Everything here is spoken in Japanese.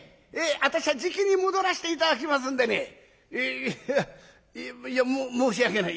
私はじきに戻らせて頂きますんでね。えいや申し訳ない。